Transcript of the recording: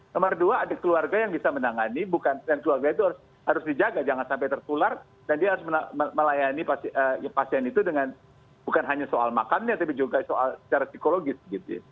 nomor dua ada keluarga yang bisa menangani bukan keluarga itu harus dijaga jangan sampai tertular dan dia harus melayani pasien itu dengan bukan hanya soal makannya tapi juga secara psikologis gitu ya